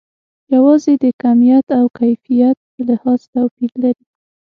یوازې د کمیت او کیفیت په لحاظ توپیر لري.